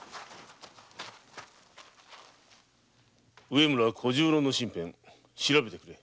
植村小十郎の身辺調べてくれ。